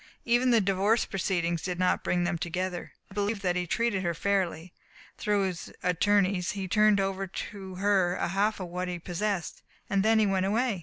Even the divorce proceedings did not bring them together. I believe that he treated her fairly. Through his attorneys he turned over to her a half of what he possessed. Then he went away.